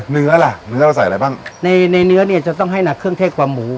เนื้อล่ะเนื้อเราใส่อะไรบ้างในในเนื้อเนี่ยจะต้องให้หนักเครื่องเทศกว่าหมู